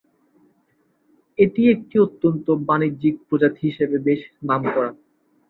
এটি একটি অত্যন্ত বাণিজ্যিক প্রজাতি হিসেবে বেশ নামকরা।